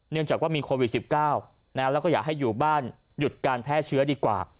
จากว่ามีโควิด๑๙แล้วก็อยากให้อยู่บ้านหยุดการแพร่เชื้อดีกว่า